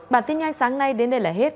bản tin ngay sáng nay đến đây là hết